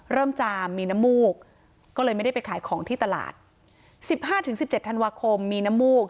เริ่มจะมีน้ำมูกก็เลยไม่ได้ไปขายของที่ตลาดสิบห้าถึงสิบเจ็ดธันวาคมมีน้ำมูก